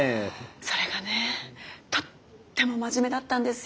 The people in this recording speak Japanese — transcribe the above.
それがねとっても真面目だったんですよ。